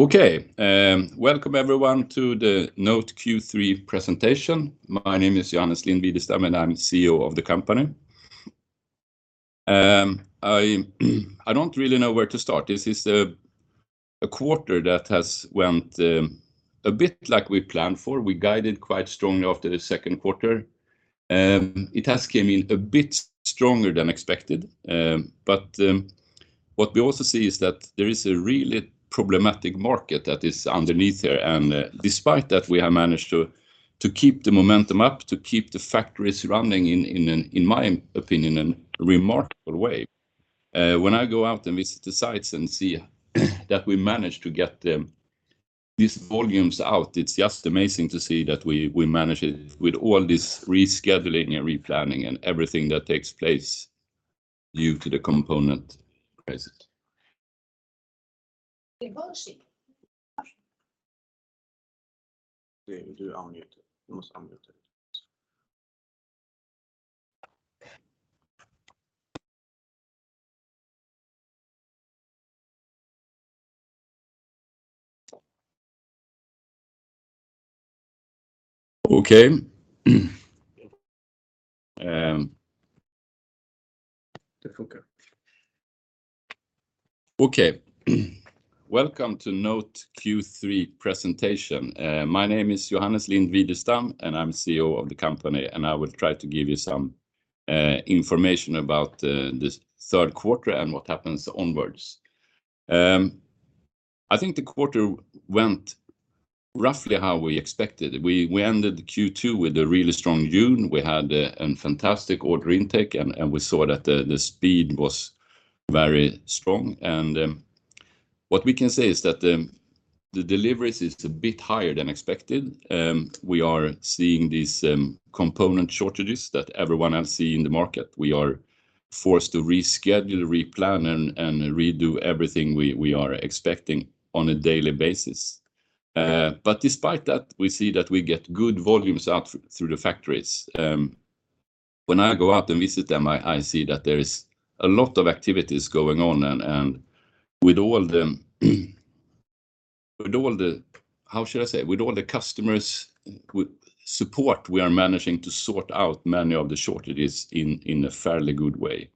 Okay. Welcome, everyone, to the NOTE Q3 presentation. My name is Johannes Lind-Widestam, and I'm CEO of the company. I don't really know where to start. This is a quarter that has went a bit like we planned for. We guided quite strongly after the second quarter. It has came in a bit stronger than expected. What we also see is that there is a really problematic market that is underneath here. Despite that, we have managed to keep the momentum up, to keep the factories running in my opinion, a remarkable way. When I go out and visit the sites and see that we managed to get these volumes out, it's just amazing to see that we manage it with all this rescheduling and replanning and everything that takes place due to the component crisis. You're on mute. You must unmute it. Okay. It's working. Okay. Welcome to NOTE Q3 presentation. My name is Johannes Lind-Widestam, I'm CEO of the company, and I will try to give you some information about this third quarter and what happens onwards. I think the quarter went roughly how we expected. We ended Q2 with a really strong June. We had a fantastic order intake, and we saw that the speed was very strong. What we can say is that the deliveries is a bit higher than expected. We are seeing these component shortages that everyone else see in the market. We are forced to reschedule, replan and redo everything we are expecting on a daily basis. Despite that, we see that we get good volumes out through the factories. When I go out and visit them, I see that there is a lot of activities going on and with all the customers' support, we are managing to sort out many of the shortages in a fairly good way.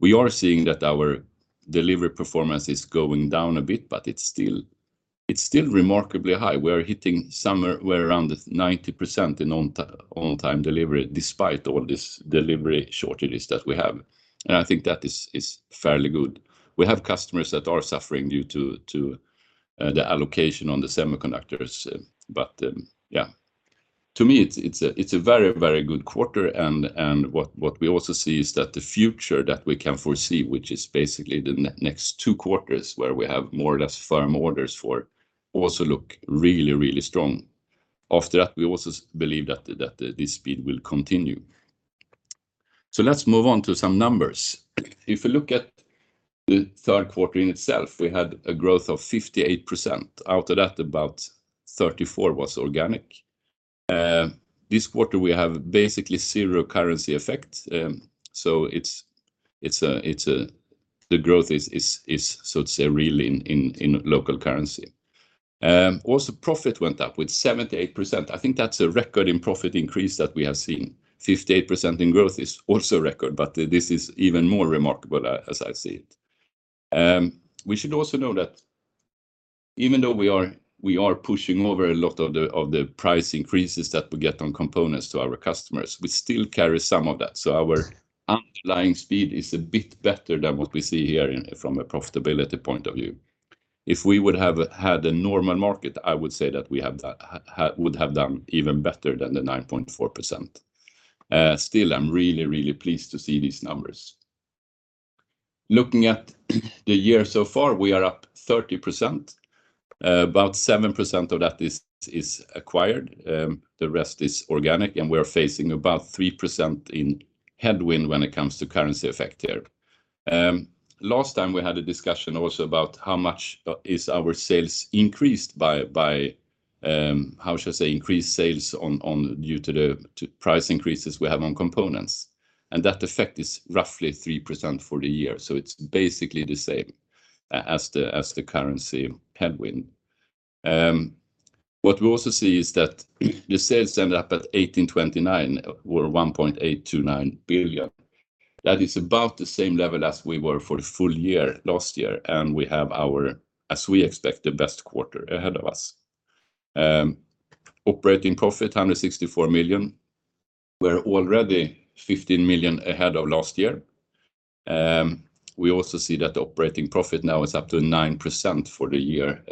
We are seeing that our delivery performance is going down a bit, but it's still remarkably high. We're hitting somewhere around the 90% in on-time delivery, despite all these delivery shortages that we have, and I think that is fairly good. We have customers that are suffering due to the allocation on the semiconductors. Yeah, to me, it's a very good quarter, and what we also see is that the future that we can foresee, which is basically the next two quarters where we have more or less firm orders for, also look really strong. After that, we also believe that this speed will continue. Let's move on to some numbers. If you look at the third quarter in itself, we had a growth of 58%. Out of that, about 34% was organic. This quarter, we have basically zero currency effect. The growth is surreal in local currency. Also, profit went up with 78%. I think that's a record in profit increase that we have seen. 58% in growth is also a record, this is even more remarkable as I see it. We should also know that even though we are pushing over a lot of the price increases that we get on components to our customers, we still carry some of that. Our underlying speed is a bit better than what we see here from a profitability point of view. If we would have had a normal market, I would say that we would have done even better than the 9.4%. Still, I'm really pleased to see these numbers. Looking at the year so far, we are up 30%. About 7% of that is acquired, the rest is organic, and we are facing about 3% in headwind when it comes to currency effect here. Last time, we had a discussion also about how much is our sales increased by, how should I say, increased sales due to price increases we have on components, and that effect is roughly 3% for the year. It's basically the same as the currency headwind. What we also see is that the sales ended up at 1,829, or 1.829 billion. That is about the same level as we were for the full year last year, and we have our, as we expect, the best quarter ahead of us. Operating Profit, 164 million. We're already 15 million ahead of last year. We also see that Operating Profit now is up to 9% for the year,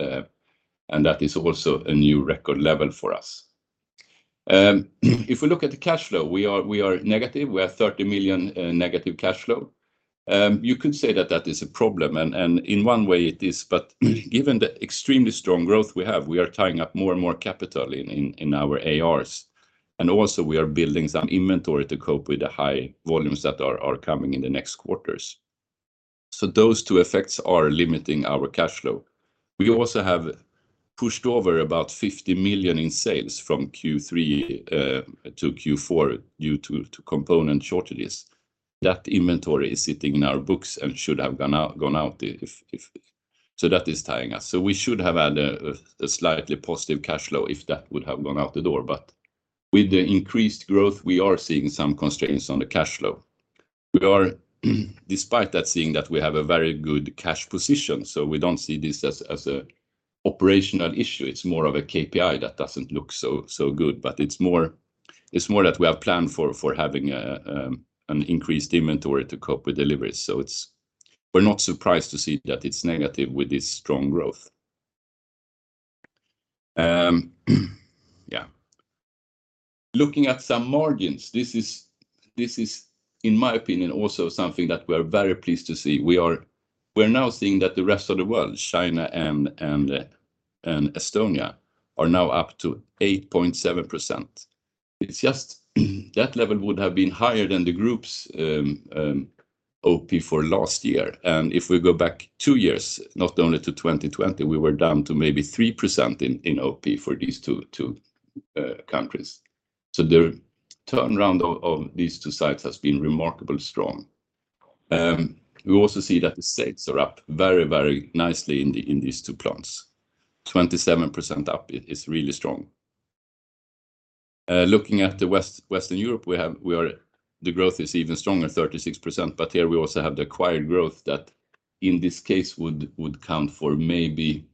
and that is also a new record level for us. If we look at the cash flow, we are negative. We are 30 million negative cash flow. You could say that that is a problem, and in one way it is. Given the extremely strong growth we have, we are tying up more and more capital in our ARs, and also we are building some inventory to cope with the high volumes that are coming in the next quarters. Those two effects are limiting our cash flow. We also have pushed over about 50 million in sales from Q3 to Q4 due to component shortages. That inventory is sitting in our books and should have gone out. That is tying us. We should have had a slightly positive cash flow if that would have gone out the door. With the increased growth, we are seeing some constraints on the cash flow. We are despite that, seeing that we have a very good cash position. We don't see this as a operational issue. It's more of a KPI that doesn't look so good. It's more that we have planned for having an increased inventory to cope with deliveries. We're not surprised to see that it's negative with this strong growth. Looking at some margins, this is in my opinion also something that we're very pleased to see. We're now seeing that the rest of the world, China and Estonia, are now up to 8.7%. It's just that level would have been higher than the group's OP for last year. If we go back two years, not only to 2020, we were down to maybe 3% in OP for these two countries. The turnaround of these two sites has been remarkably strong. We also see that the sales are up very nicely in these two plants. 27% up is really strong. Looking at the Western Europe, the growth is even stronger, 36%, but here we also have the acquired growth that in this case would count for maybe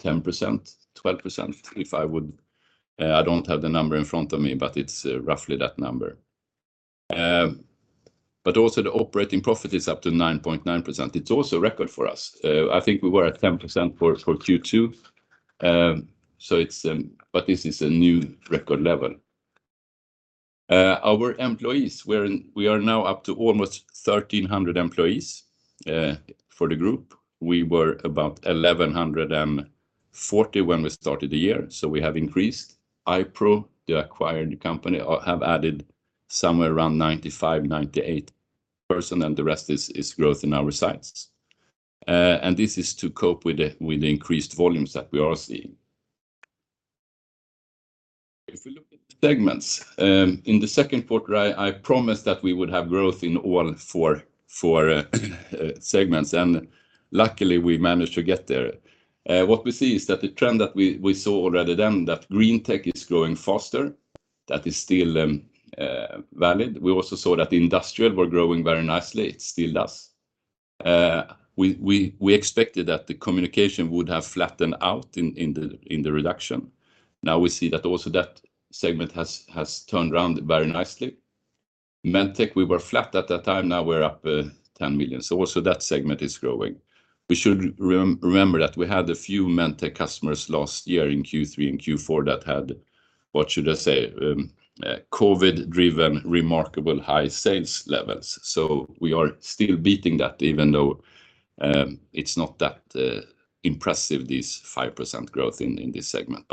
10%, 12%, I don't have the number in front of me, but it's roughly that number. Also the operating profit is up to 9.9%. It's also a record for us. I think we were at 10% for Q2. This is a new record level. Our employees, we are now up to almost 1,300 employees for the group. We were about 1,140 when we started the year. We have increased. iPRO, the acquired company, have added somewhere around 95, 98 person, and the rest is growth in our sites. This is to cope with the increased volumes that we are seeing. If we look at the segments in the second quarter, I promised that we would have growth in all four segments and luckily we managed to get there. What we see is that the trend that we saw already then, that Greentech is growing faster. That is still valid. We also saw that the Industrial were growing very nicely. It still does. We expected that the Communication would have flattened out in the reduction. We see that also that segment has turned around very nicely. Medtech, we were flat at that time. We're up 10 million, also that segment is growing. We should remember that we had a few Medtech customers last year in Q3 and Q4 that had, what should I say? COVID driven remarkable high sales levels. We are still beating that even though it's not that impressive, this 5% growth in this segment.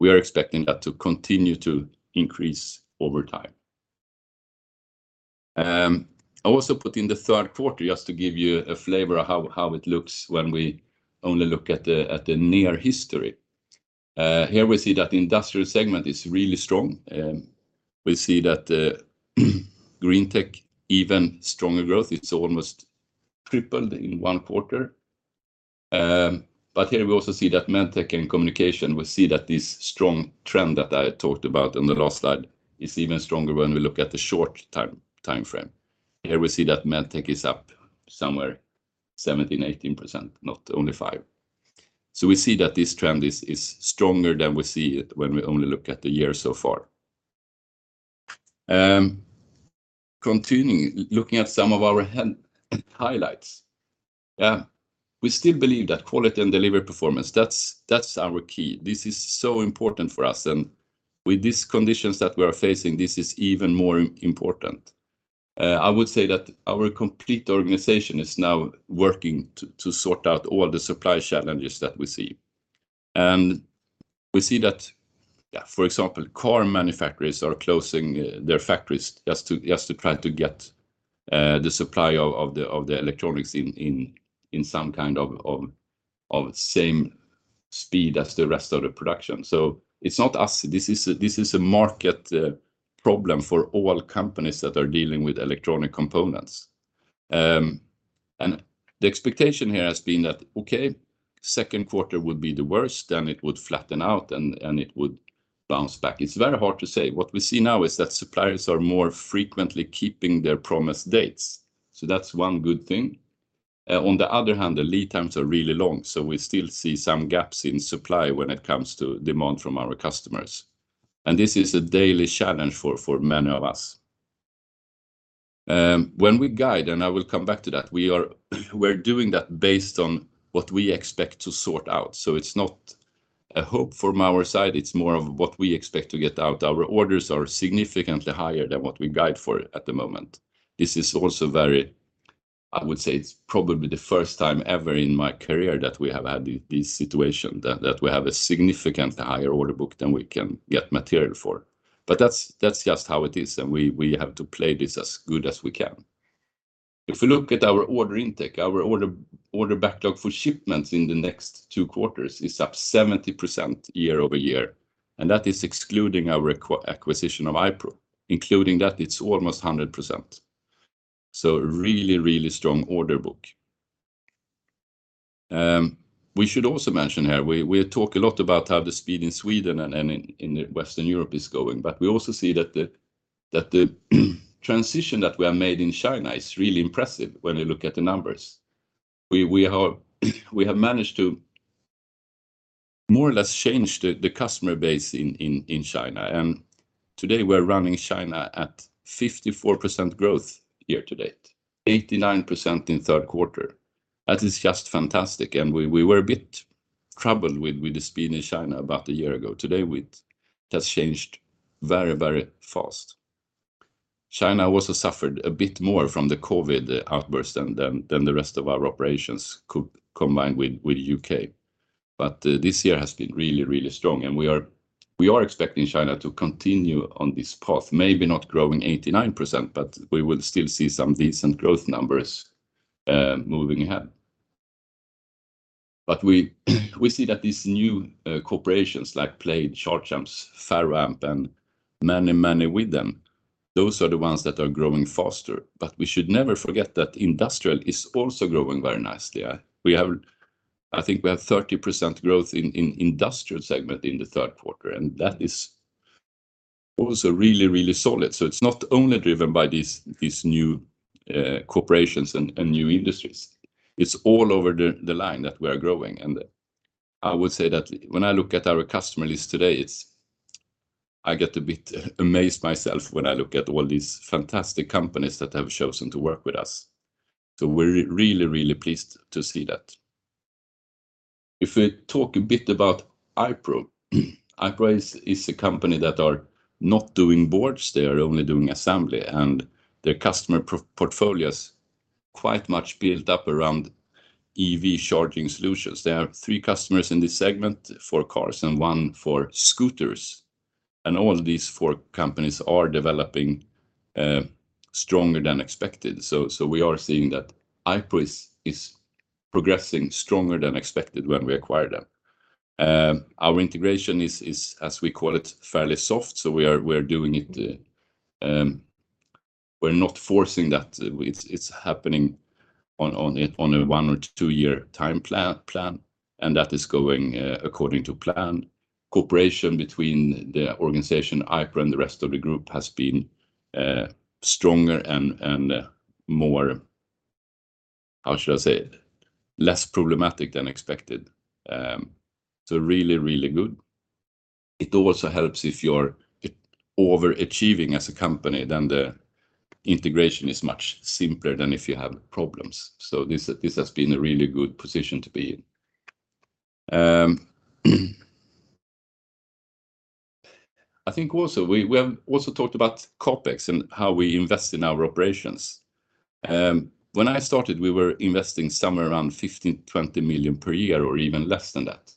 We are expecting that to continue to increase over time. I also put in the third quarter just to give you a flavor of how it looks when we only look at the near history. Here we see that the Industrial segment is really strong. We see that the Greentech even stronger growth, it's almost tripled in one quarter. Here we also see that Medtech and Communication, we see that this strong trend that I talked about on the last slide is even stronger when we look at the short timeframe. Here we see that Medtech is up somewhere 17%, 18%, not only five. We see that this trend is stronger than we see it when we only look at the year so far. Continuing looking at some of our highlights. We still believe that quality and delivery performance, that's our key. This is so important for us and with these conditions that we are facing, this is even more important. I would say that our complete organization is now working to sort out all the supply challenges that we see. We see that, for example, car manufacturers are closing their factories just to try to get the supply of the electronics in some kind of same speed as the rest of the production. It's not us. This is a market problem for all companies that are dealing with electronic components. The expectation here has been that, okay, second quarter would be the worst, then it would flatten out and it would bounce back. It's very hard to say. What we see now is that suppliers are more frequently keeping their promised dates. That's one good thing. On the other hand, the lead times are really long, so we still see some gaps in supply when it comes to demand from our customers. This is a daily challenge for many of us. When we guide, and I will come back to that, we're doing that based on what we expect to sort out. It's not a hope from our side. It's more of what we expect to get out. Our orders are significantly higher than what we guide for at the moment. This is also, I would say it's probably the first time ever in my career that we have had this situation that we have a significantly higher order book than we can get material for. That's just how it is and we have to play this as good as we can. If we look at our order intake, our order backlog for shipments in the next two quarters is up 70% year-over-year, and that is excluding our acquisition of iPRO. Including that, it's almost 100%. Really strong order book. We should also mention here, we talk a lot about how the speed in Sweden and in Western Europe is going, but we also see that the transition that we have made in China is really impressive when we look at the numbers. We have managed to more or less change the customer base in China. Today we're running China at 54% growth year to date, 89% in Q3. That is just fantastic, and we were a bit troubled with the speed in China about a year ago. Today, that's changed very fast. China also suffered a bit more from the COVID outburst than the rest of our operations combined with U.K. This year has been really strong and we are expecting China to continue on this path, maybe not growing 89%, but we will still see some decent growth numbers moving ahead. We see that these new corporations like Plejd, Charge Amps, Ferroamp, and many with them, those are the ones that are growing faster. We should never forget that industrial is also growing very nicely. I think we have 30% growth in industrial segment in Q3, and that is also really solid. It's not only driven by these new corporations and new industries. It's all over the line that we are growing. I would say that when I look at our customer list today, I get a bit amazed myself when I look at all these fantastic companies that have chosen to work with us. We're really pleased to see that. If we talk a bit about iPRO. iPRO is a company that are not doing boards, they are only doing assembly, and their customer portfolio's quite much built up around EV charging solutions. They have three customers in this segment, four cars and one for scooters. All these four companies are developing stronger than expected. We are seeing that iPRO is progressing stronger than expected when we acquire them. Our integration is, as we call it, fairly soft. We're doing it, we're not forcing that it's happening on a one or two year time plan. That is going according to plan. Cooperation between the organization, iPRO, and the rest of the group has been stronger and more, how should I say? Less problematic than expected. Really good. It also helps if you're overachieving as a company. The integration is much simpler than if you have problems. This has been a really good position to be in. I think also we have also talked about CapEx and how we invest in our operations. When I started, we were investing somewhere around 15 million, 20 million per year or even less than that.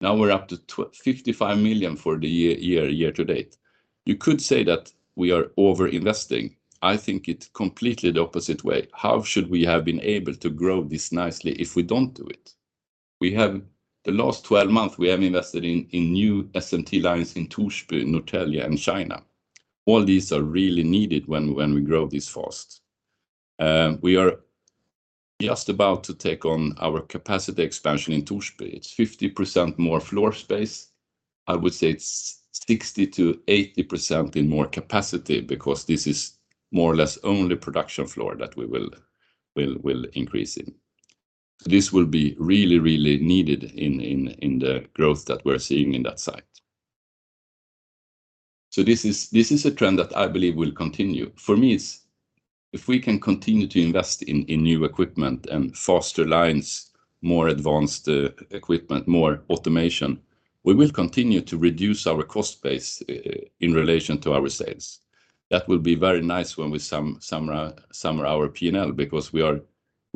Now we're up to 55 million for the year to date. You could say that we are over-investing. I think it's completely the opposite way. How should we have been able to grow this nicely if we don't do it? The last 12 months, we have invested in new SMT lines in Torsby, Norrtälje, and China. All these are really needed when we grow this fast. We are just about to take on our capacity expansion in Torsby. It's 50% more floor space. I would say it's 60%-80% in more capacity because this is more or less only production floor that we will increase in. This will be really needed in the growth that we're seeing in that site. This is a trend that I believe will continue. For me, if we can continue to invest in new equipment and faster lines, more advanced equipment, more automation, we will continue to reduce our cost base in relation to our sales. That will be very nice when we sum our P&L because we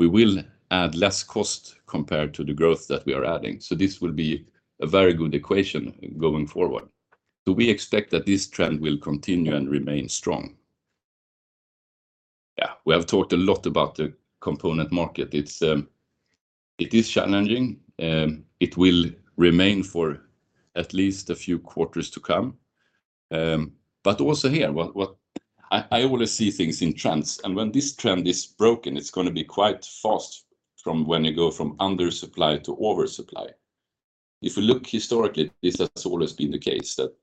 will add less cost compared to the growth that we are adding. This will be a very good equation going forward. We expect that this trend will continue and remain strong. We have talked a lot about the component market. It is challenging. It will remain for at least a few quarters to come. Also here, I always see things in trends and when this trend is broken, it's going to be quite fast from when you go from undersupply to oversupply. If you look historically, this has always been the case that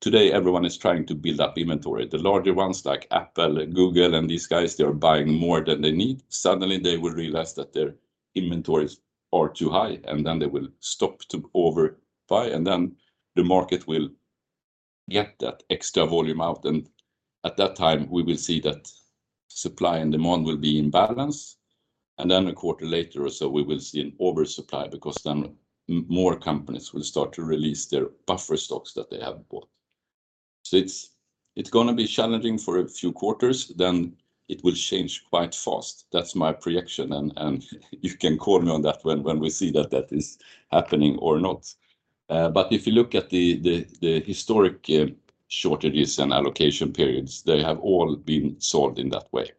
today everyone is trying to build up inventory. The larger ones like Apple and Google and these guys, they are buying more than they need. Suddenly they will realize that their inventories are too high, and then they will stop to overbuy, and then the market will get that extra volume out. At that time, we will see that supply and demand will be in balance. Then a quarter later or so, we will see an oversupply because then more companies will start to release their buffer stocks that they have bought. It's going to be challenging for a few quarters, then it will change quite fast. That's my projection, and you can call me on that when we see that is happening or not. If you look at the historic shortages and allocation periods, they have all been solved in that way.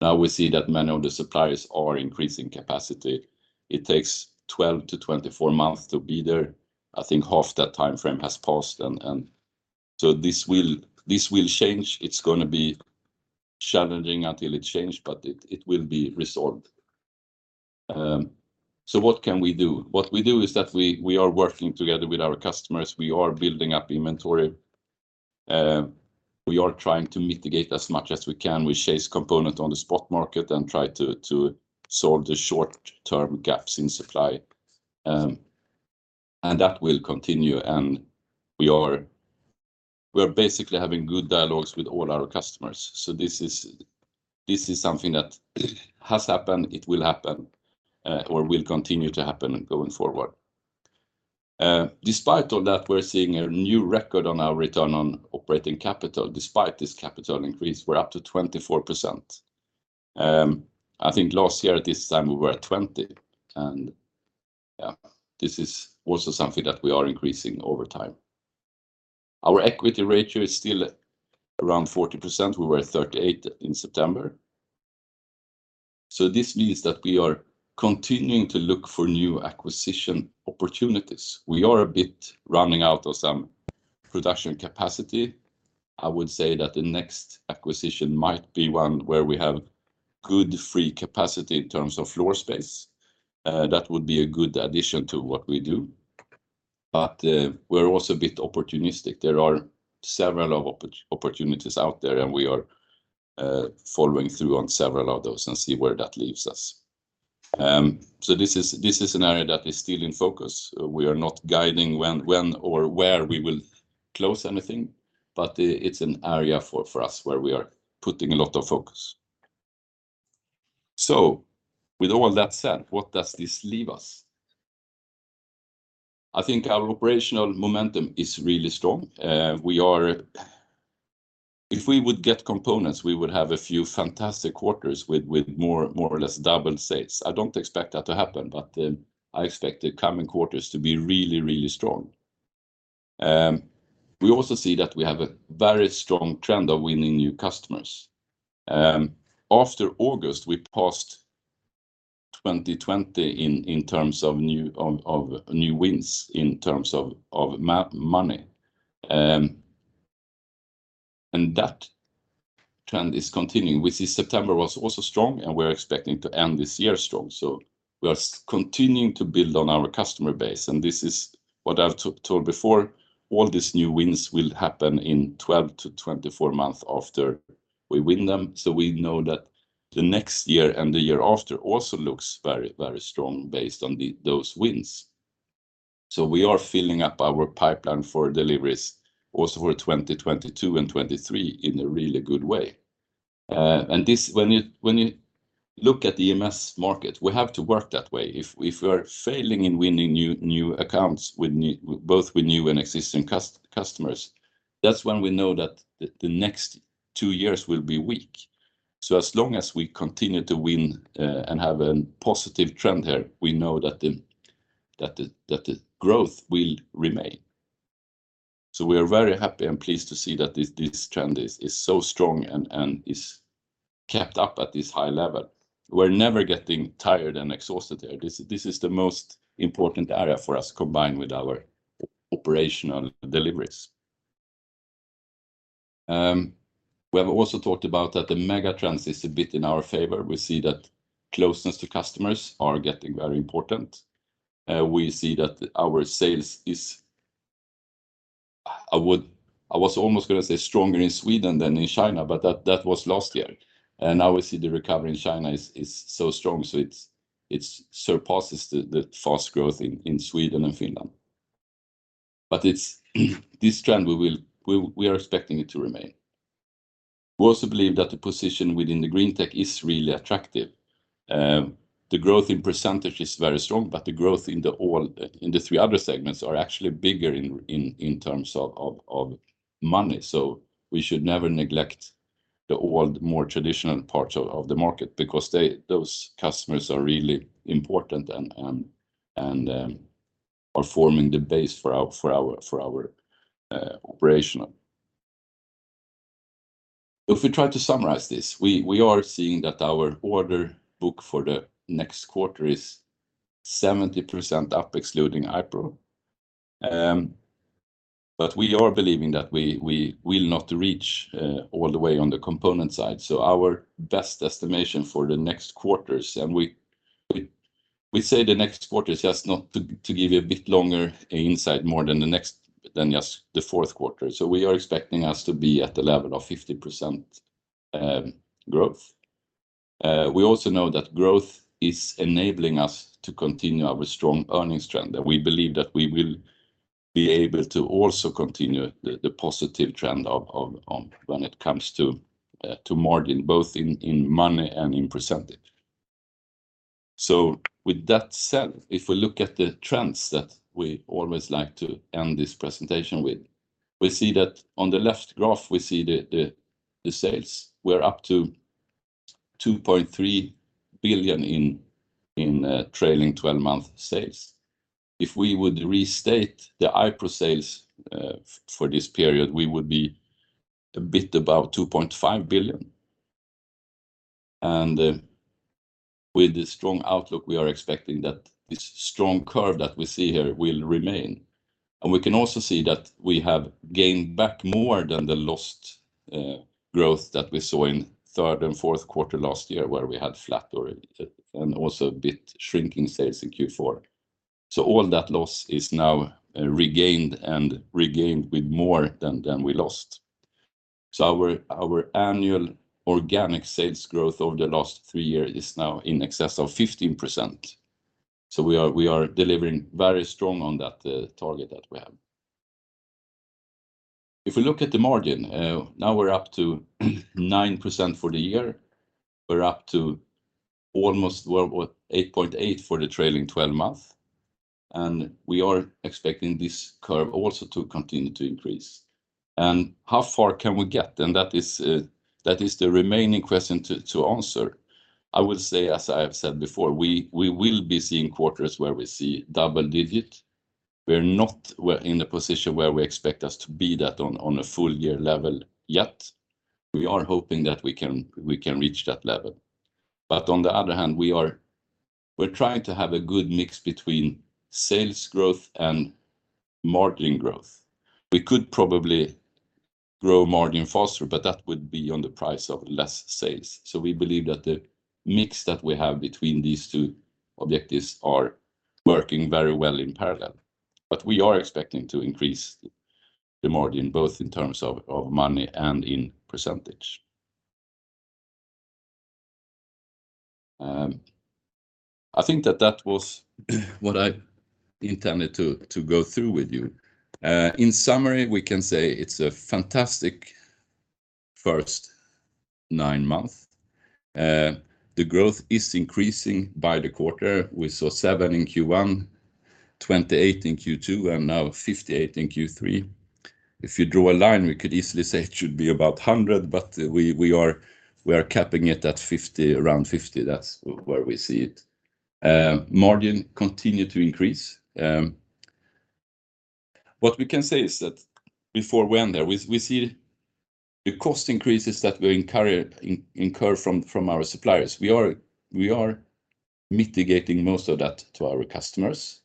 Now we see that many of the suppliers are increasing capacity. It takes 12 to 24 months to be there. I think half that timeframe has passed. This will change. It's going to be challenging until it changes. It will be resolved. What can we do? What we do is that we are working together with our customers. We are building up inventory. We are trying to mitigate as much as we can. We chase component on the spot market and try to solve the short-term gaps in supply. That will continue. We are basically having good dialogues with all our customers. This is something that has happened, it will happen, or will continue to happen going forward. Despite all that, we're seeing a new record on our return on operating capital. Despite this capital increase, we're up to 24%. I think last year at this time, we were at 20% and yeah, this is also something that we are increasing over time. Our equity ratio is still around 40%. We were at 38% in September. This means that we are continuing to look for new acquisition opportunities. We are a bit running out of some production capacity. I would say that the next acquisition might be one where we have good free capacity in terms of floor space. That would be a good addition to what we do. We're also a bit opportunistic. There are several opportunities out there, and we are following through on several of those and see where that leaves us. This is an area that is still in focus. We are not guiding when or where we will close anything, but it's an area for us where we are putting a lot of focus. With all that said, what does this leave us? I think our operational momentum is really strong. If we would get components, we would have a few fantastic quarters with more or less double sales. I don't expect that to happen, but I expect the coming quarters to be really, really strong. We also see that we have a very strong trend of winning new customers. After August, we passed 2020 in terms of new wins, in terms of money. That trend is continuing. We see September was also strong, and we're expecting to end this year strong. We are continuing to build on our customer base, and this is what I've told before, all these new wins will happen in 12-24 months after we win them. We know that the next year and the year after also looks very, very strong based on those wins. We are filling up our pipeline for deliveries also for 2022 and 2023 in a really good way. When you look at the EMS market, we have to work that way. If we're failing in winning new accounts, both with new and existing customers, that's when we know that the next two years will be weak. As long as we continue to win and have a positive trend here, we know that the growth will remain. We are very happy and pleased to see that this trend is so strong and is kept up at this high level. We're never getting tired and exhausted here. This is the most important area for us, combined with our operational deliveries. We have also talked about that the mega trends is a bit in our favor. We see that closeness to customers are getting very important. We see that our sales is, I was almost going to say stronger in Sweden than in China, but that was last year. Now we see the recovery in China is so strong, so it surpasses the fast growth in Sweden and Finland. This trend, we are expecting it to remain. We also believe that the position within the Greentech is really attractive. The growth in % is very strong, the growth in the three other segments are actually bigger in terms of money. We should never neglect the old, more traditional parts of the market because those customers are really important and are forming the base for our operational. If we try to summarize this, we are seeing that our order book for the next quarter is 70% up excluding iPRO. We are believing that we will not reach all the way on the component side. Our best estimation for the next quarters, and we say the next quarter just to give you a bit longer insight more than just the fourth quarter. We are expecting us to be at the level of 50% growth. We also know that growth is enabling us to continue our strong earnings trend. We believe that we will be able to also continue the positive trend when it comes to margin, both in money and in percentage. With that said, if we look at the trends that we always like to end this presentation with, we see that on the left graph, we see the sales were up to 2.3 billion in trailing 12-month sales. If we would restate the iPRO sales for this period, we would be a bit above 2.5 billion. With the strong outlook, we are expecting that this strong curve that we see here will remain. We can also see that we have gained back more than the lost growth that we saw in third and fourth quarter last year, where we had flat or also a bit shrinking sales in Q4. All that loss is now regained and regained with more than we lost. Our annual organic sales growth over the last three year is now in excess of 15%. We are delivering very strong on that target that we have. If we look at the margin, now we're up to 9% for the year. We're up to almost, well, 8.8% for the trailing 12 month. We are expecting this curve also to continue to increase. How far can we get? That is the remaining question to answer. I would say, as I have said before, we will be seeing quarters where we see double digit. We're not in a position where we expect us to be that on a full year level yet. We are hoping that we can reach that level. On the other hand, we're trying to have a good mix between sales growth and margin growth. We could probably grow margin faster, but that would be on the price of less sales. We believe that the mix that we have between these two objectives are working very well in parallel. We are expecting to increase the margin both in terms of money and in %. I think that that was what I intended to go through with you. In summary, we can say it's a fantastic first nine month. The growth is increasing by the quarter. We saw 7% in Q1, 28% in Q2, and now 58% in Q3. If you draw a line, we could easily say it should be about 100%, but we are capping it at 50%, around 50%. That's where we see it. Margin continue to increase. What we can say is that before we end there, we see the cost increases that we incur from our suppliers. We are mitigating most of that to our customers.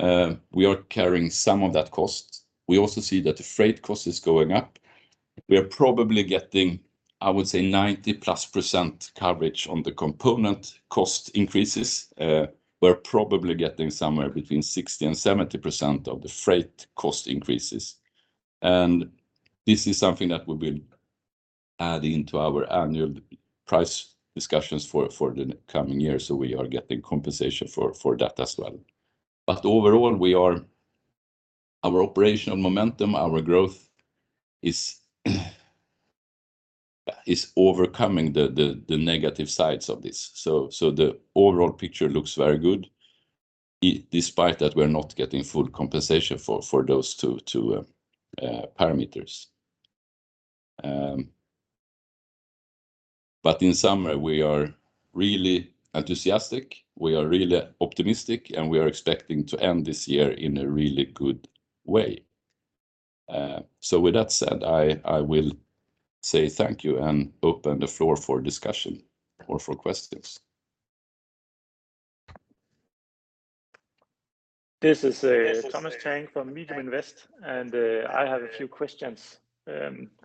We are carrying some of that cost. We also see that the freight cost is going up. We are probably getting, I would say, 90+% coverage on the component cost increases. We're probably getting somewhere between 60% and 70% of the freight cost increases. This is something that we will add into our annual price discussions for the coming year, so we are getting compensation for that as well. Overall, our operational momentum, our growth is overcoming the negative sides of this. The overall picture looks very good despite that we're not getting full compensation for those two parameters. In summary, we are really enthusiastic, we are really optimistic, and we are expecting to end this year in a really good way. With that said, I will say thank you and open the floor for discussion or for questions. This is Thomas Tang from MediumInvest, and I have a few questions.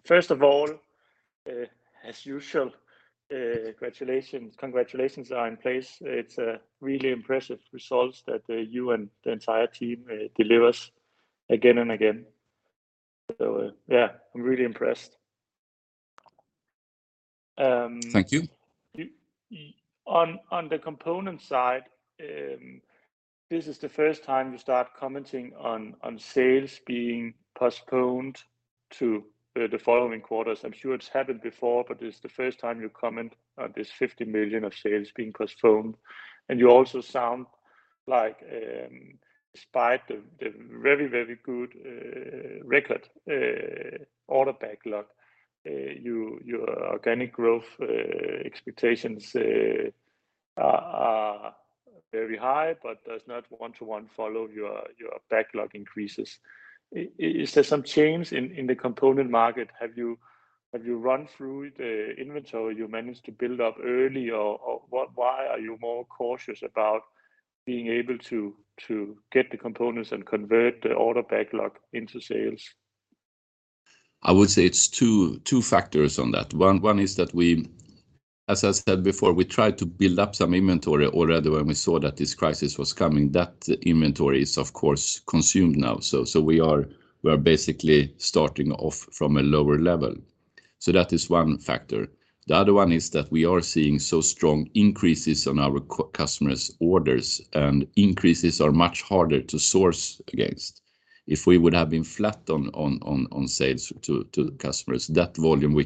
First of all, as usual, congratulations are in place. It's a really impressive results that you and the entire team delivers again and again. Yeah, I'm really impressed. Thank you. On the component side, this is the first time you start commenting on sales being postponed to the following quarters. I'm sure it's happened before, but it's the first time you comment on this 50 million of sales being postponed. You also sound like, despite the very, very good record order backlog, your organic growth expectations are very high but does not one-to-one follow your backlog increases. Is there some change in the component market? Have you run through the inventory you managed to build up early, or why are you more cautious about being able to get the components and convert the order backlog into sales? I would say it's 2 factors on that. 1 is that we, as I said before, we tried to build up some inventory already when we saw that this crisis was coming. That inventory is, of course, consumed now. We are basically starting off from a lower level. That is 1 factor. The other one is that we are seeing so strong increases on our customers' orders, and increases are much harder to source against. If we would have been flat on sales to customers, that volume we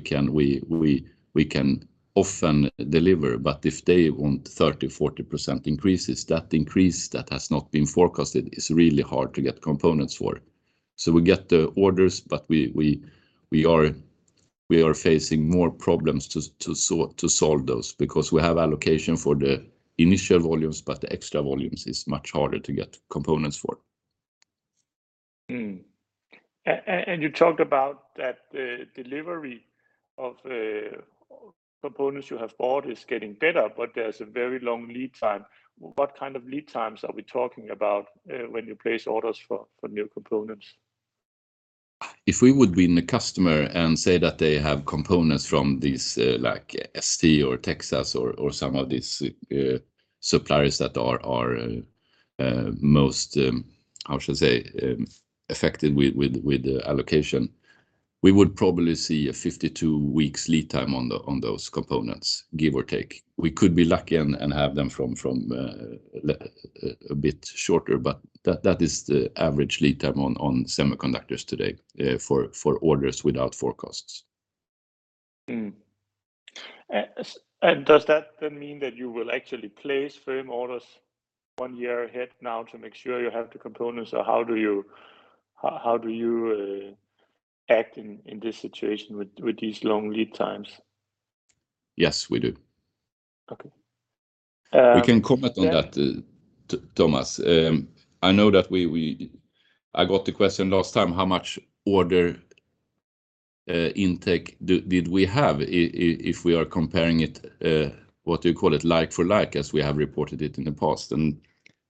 can often deliver. If they want 30%-40% increases, that increase that has not been forecasted is really hard to get components for. We get the orders, but we are facing more problems to solve those, because we have allocation for the initial volumes, but the extra volumes is much harder to get components for. You talked about that the delivery of components you have bought is getting better, but there's a very long lead time. What kind of lead times are we talking about when you place orders for new components? If we would be in the customer and say that they have components from these, like ST or Texas or some of these suppliers that are most, how should I say, affected with the allocation, we would probably see a 52 weeks lead time on those components, give or take. We could be lucky and have them from a bit shorter. That is the average lead time on semiconductors today, for orders without forecasts. Does that then mean that you will actually place frame orders 1 year ahead now to make sure you have the components, or how do you act in this situation with these long lead times? Yes, we do. Okay. We can comment on that, Thomas. I got the question last time, how much order intake did we have, if we are comparing it, what you call it, like for like, as we have reported it in the past.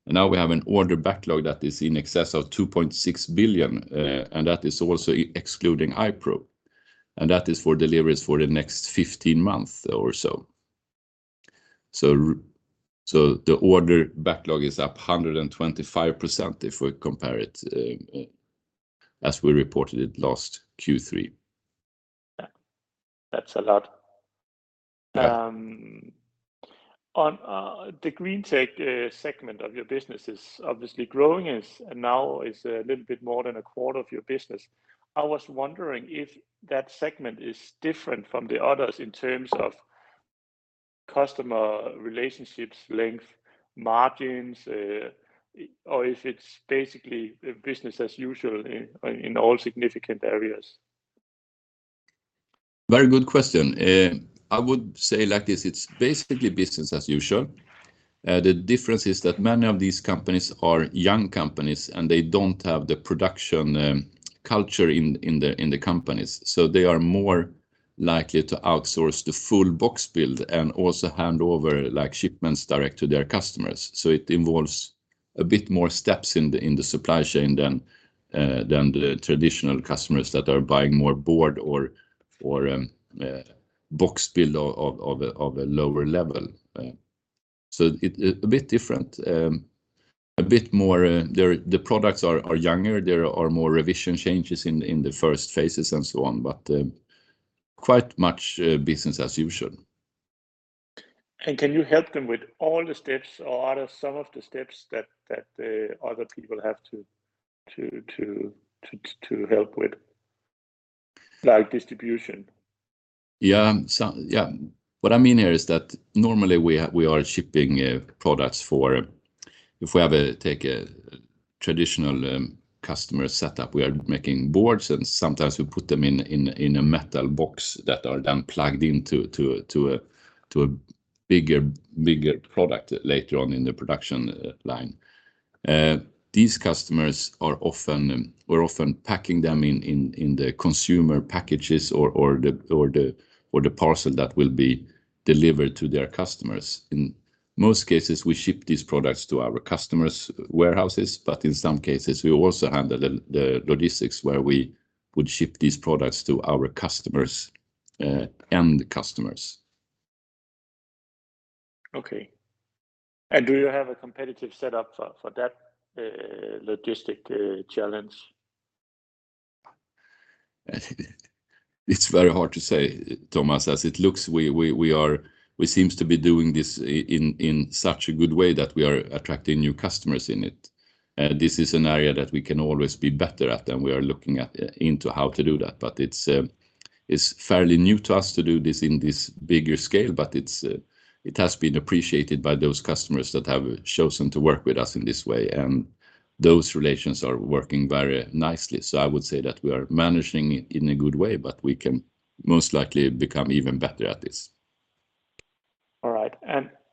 Now we have an order backlog that is in excess of 2.6 billion, and that is also excluding iPRO. That is for deliveries for the next 15 months or so. The order backlog is up 125% if we compare it, as we reported it last Q3. Yeah. That's a lot. Yeah. The Greentech segment of your business is obviously growing, and now is a little bit more than a quarter of your business. I was wondering if that segment is different from the others in terms of customer relationships, length, margins, or if it's basically business as usual in all significant areas? Very good question. I would say like this: it's basically business as usual. The difference is that many of these companies are young companies and they don't have the production culture in the companies. They are more likely to outsource the full box build and also hand over shipments direct to their customers. It involves a bit more steps in the supply chain than the traditional customers that are buying more board or box build of a lower level. A bit different. The products are younger. There are more revision changes in the first phases and so on, but quite much business as usual. Can you help them with all the steps, or are there some of the steps that the other people have to help with, like distribution? Yeah. What I mean here is that normally we are shipping products. If we take a traditional customer setup, we are making boards and sometimes we put them in a metal box that are then plugged into a bigger product later on in the production line. These customers, we're often packing them in the consumer packages or the parcel that will be delivered to their customers. In most cases, we ship these products to our customers' warehouses, but in some cases, we also handle the logistics where we would ship these products to our customers' end customers. Okay. Do you have a competitive setup for that logistic challenge? It's very hard to say, Thomas. As it looks, we seems to be doing this in such a good way that we are attracting new customers in it. This is an area that we can always be better at, and we are looking into how to do that. It's fairly new to us to do this in this bigger scale, but it has been appreciated by those customers that have chosen to work with us in this way, and those relations are working very nicely. I would say that we are managing it in a good way, but we can most likely become even better at this. All right.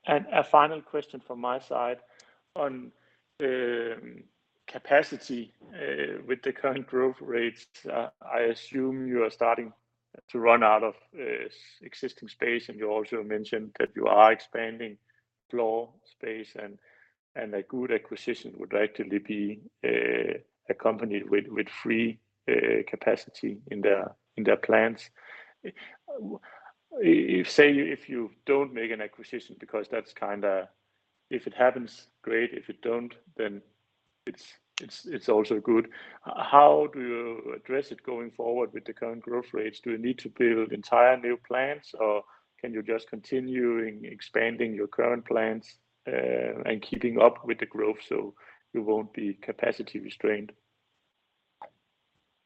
A final question from my side. On capacity with the current growth rates, I assume you are starting to run out of existing space, and you also mentioned that you are expanding floor space and a good acquisition would likely be a company with free capacity in their plants. Say, if you don't make an acquisition, because that's kind of if it happens, great, if it don't, then it's also good. How do you address it going forward with the current growth rates? Do you need to build entire new plants, or can you just continuing expanding your current plants, and keeping up with the growth so you won't be capacity restrained?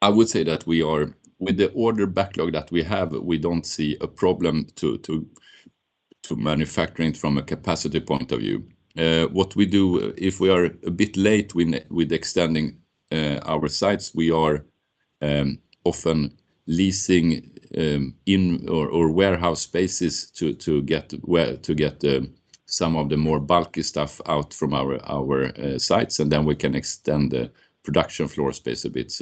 I would say that with the order backlog that we have, we don't see a problem to manufacturing from a capacity point of view. What we do, if we are a bit late with extending our sites, we are often leasing in or warehouse spaces to get some of the more bulky stuff out from our sites, and then we can extend the production floor space a bit.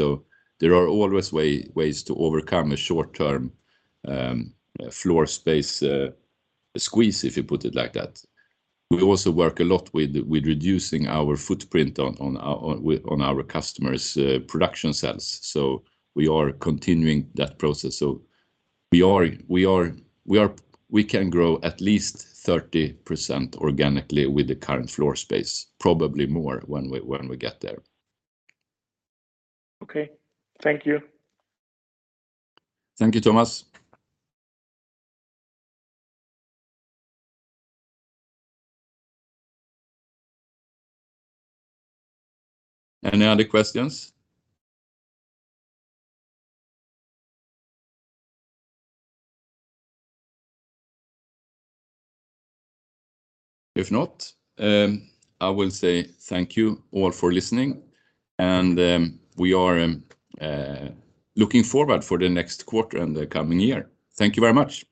There are always ways to overcome a short-term floor space squeeze, if you put it like that. We also work a lot with reducing our footprint on our customers' production cells. We are continuing that process. We can grow at least 30% organically with the current floor space, probably more when we get there. Okay. Thank you. Thank you, Thomas. Any other questions? If not, I will say thank you all for listening, and we are looking forward for the next quarter and the coming year. Thank you very much.